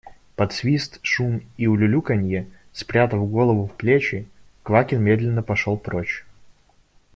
Под свист, шум и улюлюканье, спрятав голову в плечи, Квакин медленно пошел прочь.